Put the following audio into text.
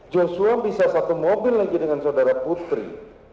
joshua bisa satu mobil lagi dengan saudara putri